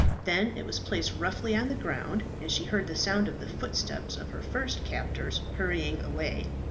Then it was placed roughly on the ground, and she heard the sound of the footsteps of her first captors hurrying away.